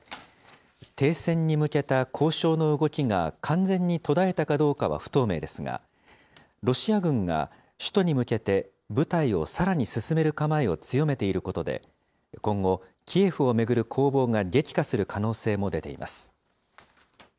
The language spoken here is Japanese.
停戦に向けた交渉の動きが完全に途絶えたかどうかは不透明ですが、ロシア軍が首都に向けて、部隊をさらに進める構えを強めていることで、今後、キエフを巡る攻防が激化する可能性も出ています。